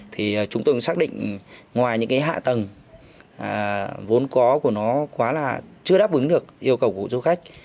thì chúng tôi xác định ngoài những cái hạ tầng vốn có của nó quá là chưa đáp ứng được yêu cầu của du khách